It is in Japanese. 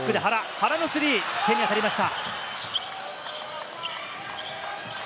原のスリー、手に当たりました。